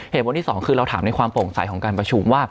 เหตุผลที่สองคือเราถามในความโปร่งใสของการประชุมว่า